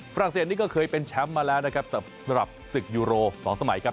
เศสนี่ก็เคยเป็นแชมป์มาแล้วนะครับสำหรับศึกยูโร๒สมัยครับ